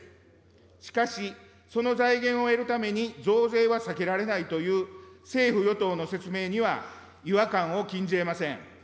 しかし、その財源を得るために増税は避けられないという政府・与党の説明には違和感を禁じえません。